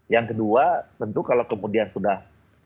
yang kedua tentu kalau kemudian sudah